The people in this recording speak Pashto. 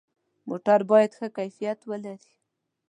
موټر باید ښه کیفیت ولري.